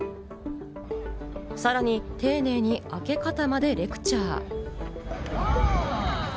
さらに丁寧に開け方までレクチャー。